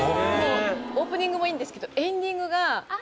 オープニングもいいんですけどエンディングが。